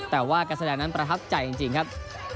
แต่ว่าการแสดงนั้นประทับใจจริงครับ